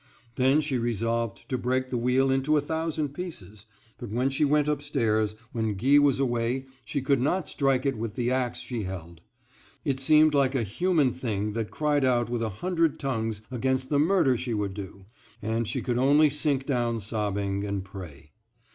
Then she resolved to break the wheel into a thousand pieces; but when she went upstairs, when Guy was away, she could not strike it with the axe she held. It seemed like a human thing that cried out with a hundred tongues against the murder she would do; and she could only sink down sobbing, and pray.